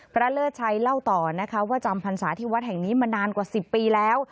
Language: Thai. เลิศชัยเล่าต่อนะคะว่าจำพรรษาที่วัดแห่งนี้มานานกว่า๑๐ปีแล้ว